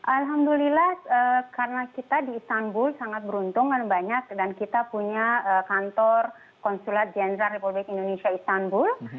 alhamdulillah karena kita di istanbul sangat beruntung dan banyak dan kita punya kantor konsulat jenderal republik indonesia istanbul